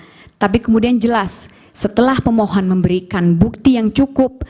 tapi kemudian jelas setelah pemohon memberikan bukti yang cukup